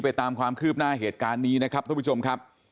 ตามความคืบหน้าเหตุการณ์นี้นะครับทุกผู้ชมครับ